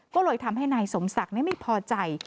ก็เลยทำให้นายสมศักดิ์ไม่พอใจ